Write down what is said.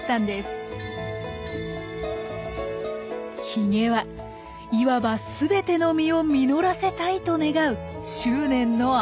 ヒゲはいわば全ての実を実らせたいと願う執念の表れです。